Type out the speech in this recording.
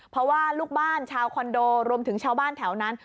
เพราะว่าลูกบ้านชาวคอนโดรวมถึงชาวบ้านแถวนั้น